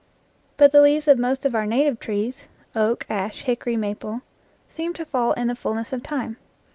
But the leaves of most of our native trees oak, ash, hickory, maple seem to fall in the fullness of time.